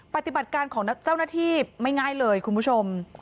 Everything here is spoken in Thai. ปฏิบัติการของเจ้าหน้าที่ไม่ง่ายเลยคุณผู้ชม